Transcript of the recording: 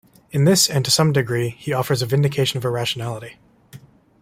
In this, and to some degree, he offers a vindication of irrationality.